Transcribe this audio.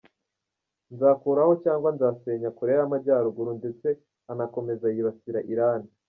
Nzakuraho cyangwa nzasenya Koreya y’Amajyaruguru” ndetse anakomeza yibasira Iran.